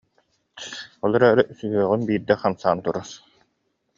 Ол эрээри сүһүөҕүм биирдэ хамсаан турар»